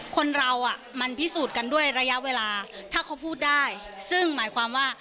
คนเราอ่ะมันพิสูจน์กันด้วยระยะเวลาถ้าเขาพูดได้ซึ่งหมายความว่า